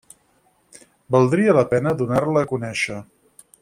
Valdria la pena donar-la a conèixer.